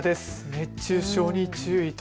熱中症に注意と。